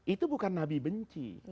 itu bukan nabi benci